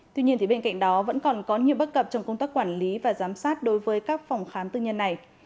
tuy nhiên bên cạnh đó vẫn còn có nhiều bất cập trong công tác quản lý và giám sát đối với các phòng khám tư nhân này